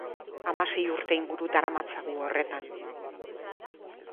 Hamasei urte inguru daramatzagu horretan.